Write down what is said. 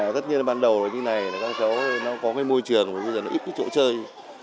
tất nhiên ban đầu như thế này là các cháu nó có cái môi trường mà bây giờ nó ít cái chỗ chơi